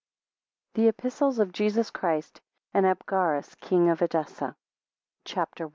THE EPISTLES OF JESUS CHRIST & ABGARUS KING OF EDESSA. CHAPTER I.